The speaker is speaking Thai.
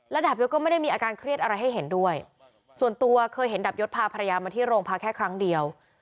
ดาบยศก็ไม่ได้มีอาการเครียดอะไรให้เห็นด้วยส่วนตัวเคยเห็นดาบยศพาภรรยามาที่โรงพักแค่ครั้งเดียว